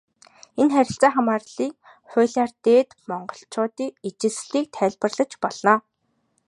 Энэ харилцаа хамаарлын хуулиар Дээд Монголчуудын ижилслийг тайлбарлаж болно.